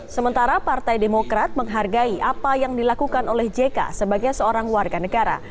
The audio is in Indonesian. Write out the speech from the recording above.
sementara partai demokrat menghargai apa yang dilakukan oleh jk sebagai seorang warga negara